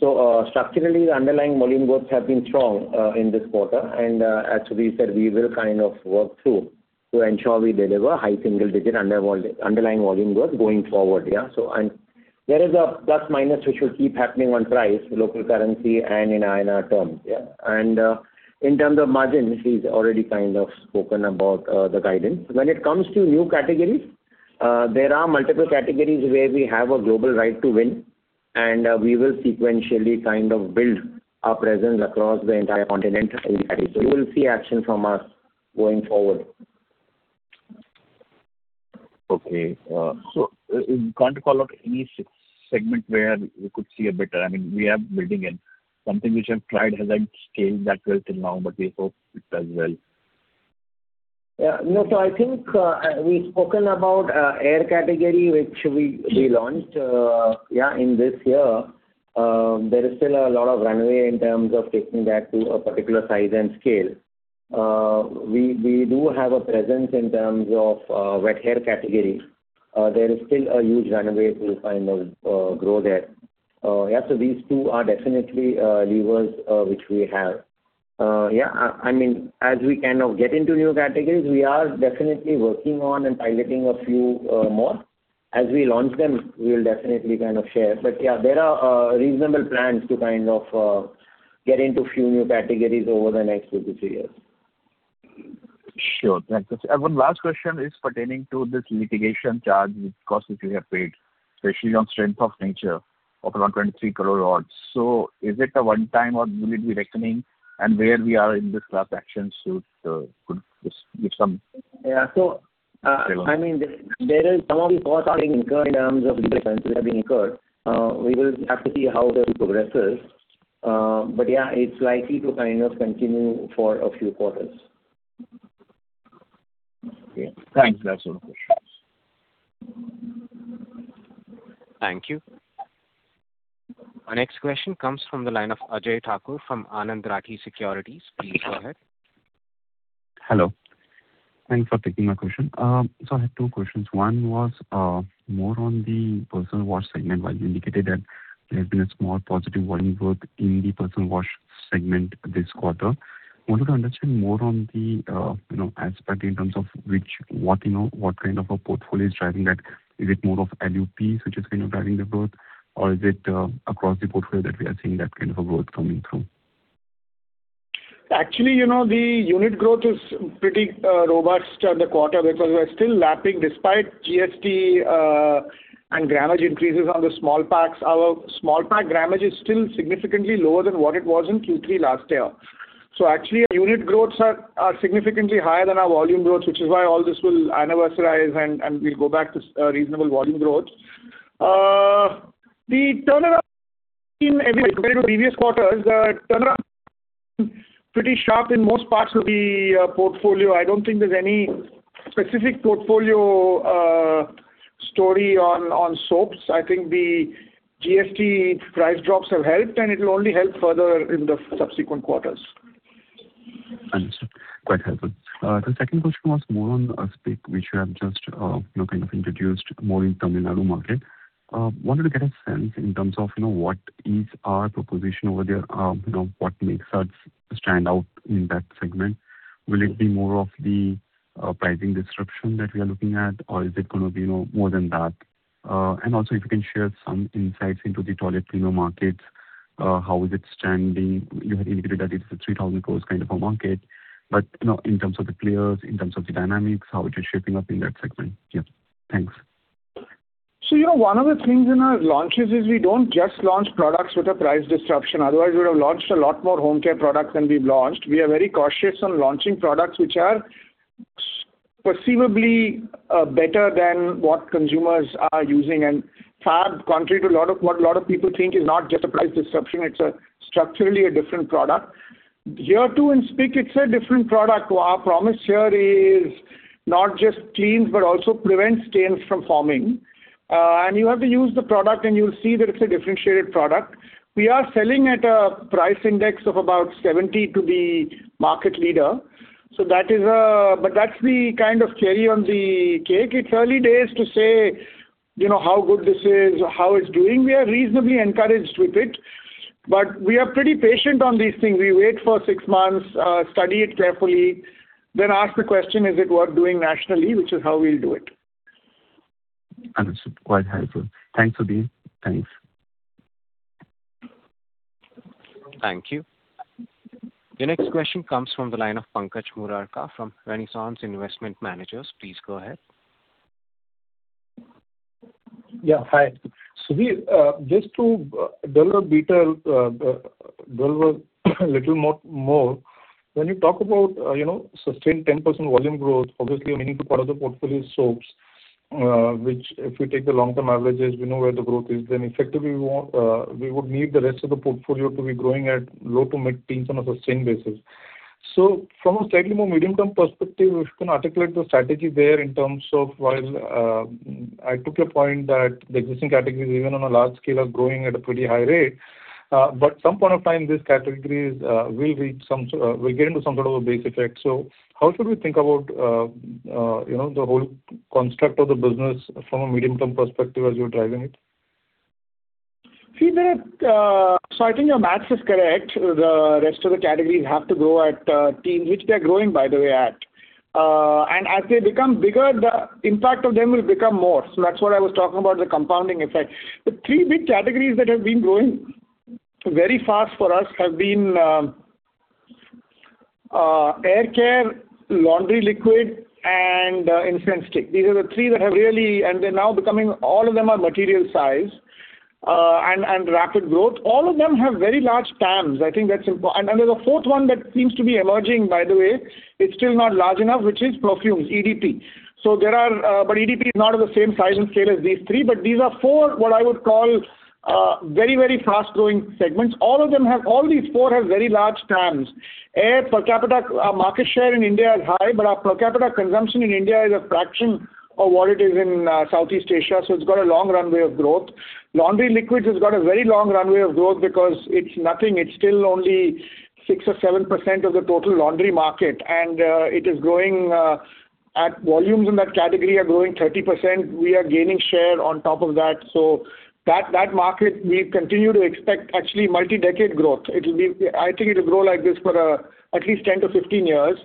So structurally, the underlying volume growth has been strong in this quarter. And as Aasif said, we will kind of work through to ensure we deliver high single-digit underlying volume growth going forward, yeah? So there is a plus-minus which will keep happening on price, local currency, and in INR terms, yeah? And in terms of margins, he's already kind of spoken about the guidance. When it comes to new categories, there are multiple categories where we have a global right to win, and we will sequentially kind of build our presence across the entire continent. You will see action from us going forward. Okay. So I'm trying to call out any segment where we could see a better, I mean, we are building in. Something which I've tried hasn't scaled that well till now, but we hope it does well. Yeah. No, so I think we've spoken about hair category, which we launched, yeah, in this year. There is still a lot of runway in terms of taking that to a particular size and scale. We do have a presence in terms of wet hair category. There is still a huge runway to kind of grow there. Yeah. So these two are definitely levers which we have. Yeah. I mean, as we kind of get into new categories, we are definitely working on and piloting a few more. As we launch them, we'll definitely kind of share. But yeah, there are reasonable plans to kind of get into a few new categories over the next two to three years. Sure. Thanks. One last question is pertaining to this litigation charge with costs that you have paid, especially on account of the nature of around 23 crore or so. So is it a one-time or will it be recurring? And where we are in this class action suit, could you give some color. Yeah. So I mean, there is some of these costs are incurred in terms of insurance that have been incurred. We will have to see how the progresses. But yeah, it's likely to kind of continue for a few quarters. Okay. Thanks. That's all the questions. Thank you. Our next question comes from the line of Ajay Thakur from Anand Rathi Securities. Please go ahead. Hello. Thanks for taking my question. So I had two questions. One was more on the personal wash segment, while you indicated that there has been a small positive volume growth in the personal wash segment this quarter. I wanted to understand more on the aspect in terms of what kind of a portfolio is driving that. Is it more of LUPs which is kind of driving the growth, or is it across the portfolio that we are seeing that kind of a growth coming through? Actually, the unit growth is pretty robust on the quarter because we're still lapping despite GST and gramage increases on the small packs. Our small pack gramage is still significantly lower than what it was in Q3 last year. So actually, unit growths are significantly higher than our volume growth, which is why all this will anniversarize and we'll go back to reasonable volume growth. The turnaround in compared to previous quarters, the turnaround has been pretty sharp in most parts of the portfolio. I don't think there's any specific portfolio story on soaps. I think the GST price drops have helped, and it will only help further in the subsequent quarters. Understood. Quite helpful. The second question was more on Spic, which you have just kind of introduced more in Tamil Nadu market. I wanted to get a sense in terms of what is our proposition over there, what makes us stand out in that segment. Will it be more of the pricing disruption that we are looking at, or is it going to be more than that? And also, if you can share some insights into the toilet cleaner markets, how is it standing? You had indicated that it is a 3,000 crore kind of a market. But in terms of the players, in terms of the dynamics, how it is shaping up in that segment? Yeah. Thanks. So one of the things in our launches is we don't just launch products with a price disruption. Otherwise, we would have launched a lot more home care products than we've launched. We are very cautious on launching products which are perceivably better than what consumers are using. And fab, contrary to what a lot of people think, is not just a price disruption. It's structurally a different product. Year two in Spic, it's a different product. Our promise here is not just cleans, but also prevents stains from forming. And you have to use the product, and you'll see that it's a differentiated product. We are selling at a price index of about 70 to be market leader. So that is a—but that's the kind of cherry on the cake. It's early days to say how good this is, how it's doing. We are reasonably encouraged with it, but we are pretty patient on these things. We wait for six months, study it carefully, then ask the question, "Is it worth doing nationally?" which is how we'll do it. Understood. Quite helpful. Thanks, Shabir. Thanks. Thank you. Your next question comes from the line of Pankaj Murarka from Renaissance Investment Managers. Please go ahead. Yeah. Hi. So just to delve a little more, when you talk about sustained 10% volume growth, obviously a meaningful part of the portfolio is soaps, which if we take the long-term averages, we know where the growth is. Then effectively, we would need the rest of the portfolio to be growing at low to mid-teens on a sustained basis. So from a slightly more medium-term perspective, if you can articulate the strategy there in terms of, while I took your point that the existing category is even on a large scale of growing at a pretty high rate, but at some point of time, this category will get into some sort of a base effect. So how should we think about the whole construct of the business from a medium-term perspective as you're driving it? See, so I think your math is correct. The rest of the categories have to grow at teens, which they're growing, by the way, at. And as they become bigger, the impact of them will become more. So that's what I was talking about, the compounding effect. The three big categories that have been growing very fast for us have been hair care, laundry liquid, and insecticide stick. These are the three that have really—and they're now becoming all of them are material size and rapid growth. All of them have very large TAMs. I think that's important. And there's a fourth one that seems to be emerging, by the way. It's still not large enough, which is perfumes, EDP. So there are—but EDP is not at the same size and scale as these three, but these are four what I would call very, very fast-growing segments. All of them have—all these four have very large TAMs. Hair per capita market share in India is high, but our per capita consumption in India is a fraction of what it is in Southeast Asia. So it's got a long runway of growth. Laundry liquids has got a very long runway of growth because it's nothing. It's still only 6%-7% of the total laundry market. And it is growing at volumes in that category are growing 30%. We are gaining share on top of that. So that market, we continue to expect actually multi-decade growth. I think it will grow like this for at least 10-15 years.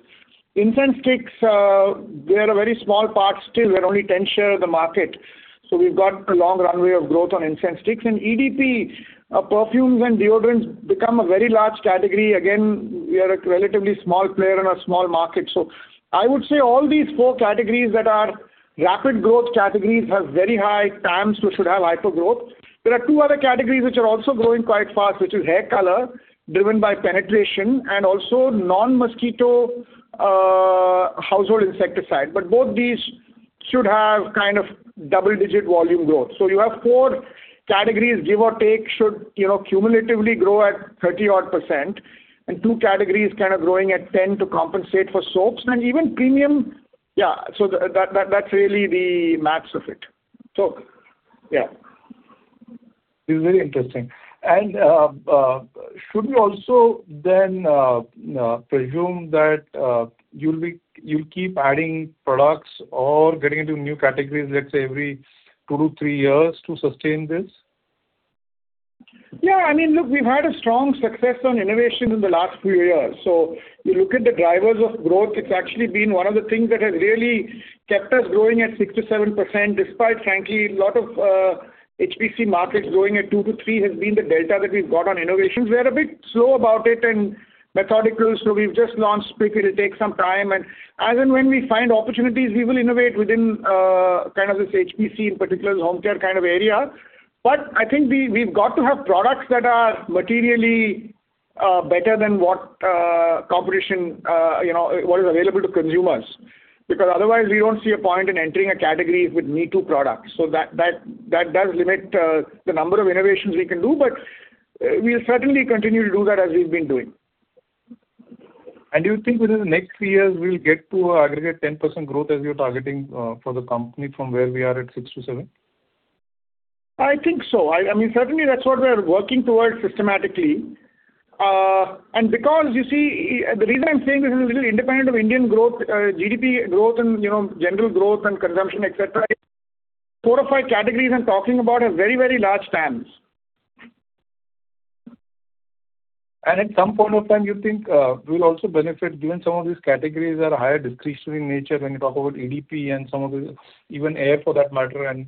Incense sticks, they're a very small part still. They're only 10% share of the market. So we've got a long runway of growth on incense sticks. And EDP, perfumes and deodorants become a very large category. Again, we are a relatively small player in a small market. So I would say all these four categories that are rapid growth categories have very high TAMs, which should have hyper growth. There are two other categories which are also growing quite fast, which is hair color driven by penetration and also non-mosquito household insecticide. But both these should have kind of double-digit volume growth. So you have four categories, give or take, should cumulatively grow at 30-odd%, and two categories kind of growing at 10% to compensate for soaps and even premium. Yeah. So that's really the math of it. So yeah. This is very interesting. Should we also then presume that you'll keep adding products or getting into new categories, let's say, every 2-3 years to sustain this? Yeah. I mean, look, we've had a strong success on innovation in the last few years. So you look at the drivers of growth, it's actually been one of the things that has really kept us growing at 6%-7% despite, frankly, a lot of HPC markets growing at 2%-3% has been the delta that we've got on innovation. We are a bit slow about it and methodical. So we've just launched Spic. It'll take some time. And as and when we find opportunities, we will innovate within kind of this HPC, in particular, home care kind of area. But I think we've got to have products that are materially better than what competition, what is available to consumers. Because otherwise, we don't see a point in entering a category with me-too products. So that does limit the number of innovations we can do, but we'll certainly continue to do that as we've been doing. Do you think within the next few years, we'll get to an aggregate 10% growth as you're targeting for the company from where we are at 6%-7%? I think so. I mean, certainly, that's what we're working towards systematically. And because you see, the reason I'm saying this is a little independent of Indian growth, GDP growth, and general growth and consumption, etc., four or five categories I'm talking about have very, very large TAMs. And at some point of time, you think we'll also benefit given some of these categories are higher discretionary in nature when you talk about EDP and some of the even air for that matter and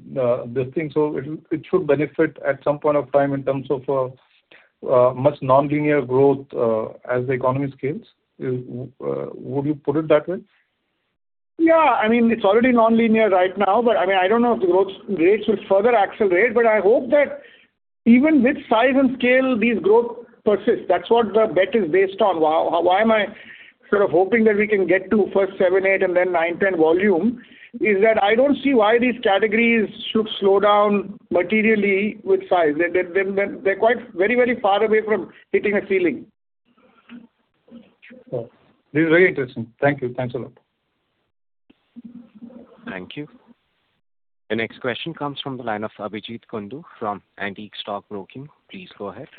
this thing. So it should benefit at some point of time in terms of much non-linear growth as the economy scales. Would you put it that way? Yeah. I mean, it's already non-linear right now, but I mean, I don't know if the growth rates will further accelerate, but I hope that even with size and scale, these growth persists. That's what the bet is based on. Why am I sort of hoping that we can get to first 7, 8, and then 9, 10 volume is that I don't see why these categories should slow down materially with size. They're quite very, very far away from hitting a ceiling. This is very interesting. Thank you. Thanks a lot. Thank you. The next question comes from the line of Abhijit Kundu from Antique Stock Broking. Please go ahead.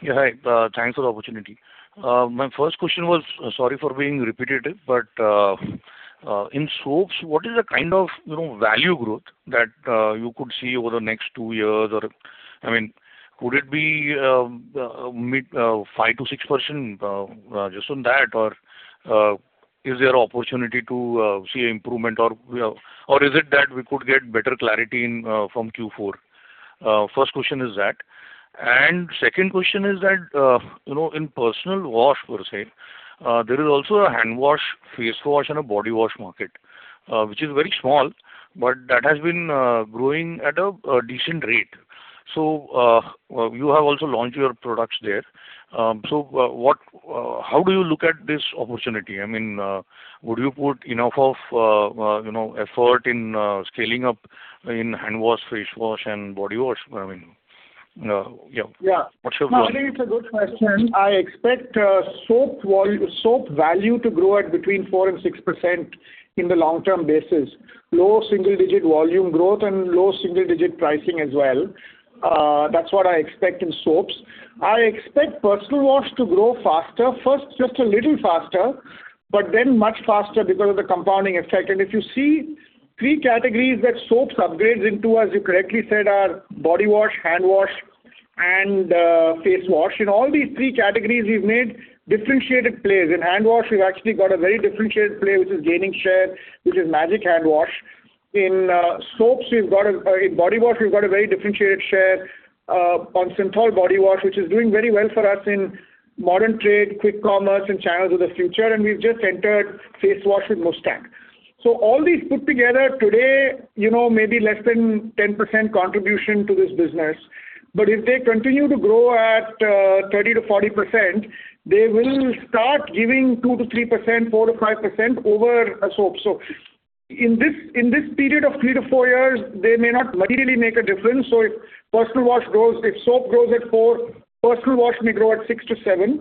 Yeah. Hi. Thanks for the opportunity. My first question was, sorry for being repetitive, but in soaps, what is the kind of value growth that you could see over the next two years? Or I mean, could it be 5%-6% just on that, or is there an opportunity to see an improvement, or is it that we could get better clarity from Q4? First question is that. And second question is that in personal wash, per se, there is also a hand wash, face wash, and a body wash market, which is very small, but that has been growing at a decent rate. So you have also launched your products there. So how do you look at this opportunity? I mean, would you put enough of effort in scaling up in hand wash, face wash, and body wash? I mean, yeah. What's your view? Yeah. Actually, it's a good question. I expect soap value to grow at between 4%-6% in the long-term basis. Low single-digit volume growth and low single-digit pricing as well. That's what I expect in soaps. I expect personal wash to grow faster. First, just a little faster, but then much faster because of the compounding effect. And if you see three categories that soaps upgrades into, as you correctly said, are body wash, hand wash, and face wash. In all these three categories, we've made differentiated plays. In hand wash, we've actually got a very differentiated play, which is gaining share, which is magic hand wash. In soaps, we've got a body wash, we've got a very differentiated share on Cinthol body wash, which is doing very well for us in modern trade, quick commerce, and channels of the future. And we've just entered face wash with Mustang. So all these put together today, maybe less than 10% contribution to this business. But if they continue to grow at 30%-40%, they will start giving 2%-3%, 4%-5% over a soap. So in this period of 3-4 years, they may not materially make a difference. So if personal wash grows, if soap grows at 4%, personal wash may grow at 6%-7%.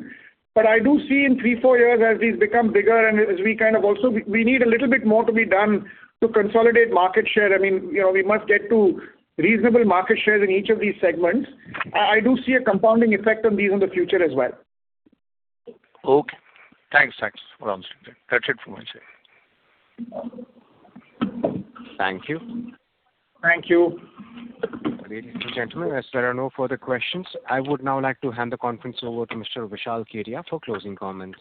But I do see in 3-4 years, as these become bigger and as we kind of also we need a little bit more to be done to consolidate market share. I mean, we must get to reasonable market shares in each of these segments. I do see a compounding effect on these in the future as well. Okay. Thanks, thanks. That's it from my side. Thank you. Thank you. Ladies and gentlemen, as there are no further questions, I would now like to hand the conference over to Mr. Vishal Kedia for closing comments.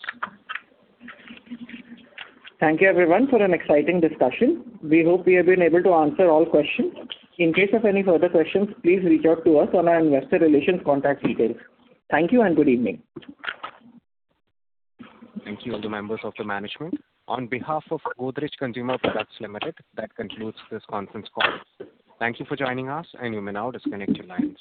Thank you, everyone, for an exciting discussion. We hope we have been able to answer all questions. In case of any further questions, please reach out to us on our investor relations contact details. Thank you and good evening. Thank you, all the members of the management. On behalf of Godrej Consumer Products Limited, that concludes this conference call. Thank you for joining us, and you may now disconnect your lines.